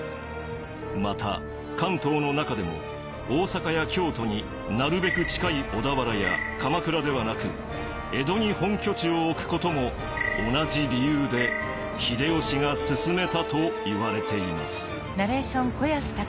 また関東の中でも大坂や京都になるべく近い小田原や鎌倉ではなく江戸に本拠地を置くことも同じ理由で秀吉が勧めたといわれています。